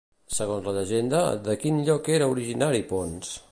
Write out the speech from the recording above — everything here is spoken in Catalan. Segons la llegenda, de quin lloc era originari Ponç?